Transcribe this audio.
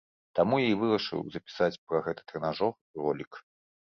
Таму я і вырашыў запісаць пра гэты трэнажор ролік.